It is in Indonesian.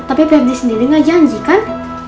tapi pebli sendiri gak janji kan